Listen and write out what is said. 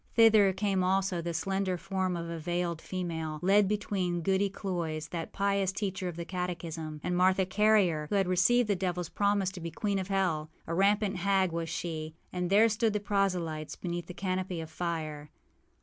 Thither came also the slender form of a veiled female, led between Goody Cloyse, that pious teacher of the catechism, and Martha Carrier, who had received the devilâs promise to be queen of hell. A rampant hag was she. And there stood the proselytes beneath the canopy of fire.